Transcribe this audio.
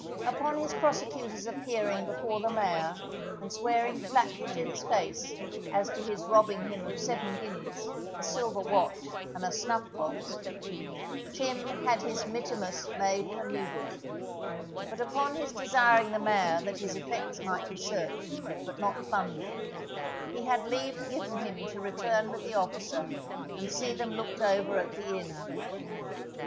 Upon his prosecutor's appearing before the mayor, and swearing flatly to his face as to his robbing him of seven guineas, a silver watch, and a snuff box, Tim had his Mittimus made for Newgate; but upon his desiring the mayor that his effects might be searched, but not plundered, he had leave given him to return with the officer and see them looked over at the inn.